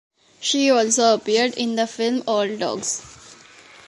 She also appeared in the film "Old Dogs".